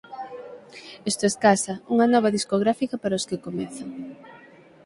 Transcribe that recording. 'Estoescasa!', unha nova discográfica para os que comezan